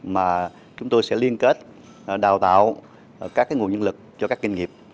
mà chúng tôi sẽ liên kết đào tạo các nguồn nhân lực cho các doanh nghiệp